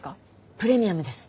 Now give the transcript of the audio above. プレミアムです。